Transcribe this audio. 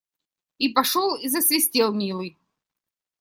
И пошел и засвистел, милый.